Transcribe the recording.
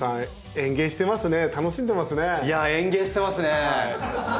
園芸してますね！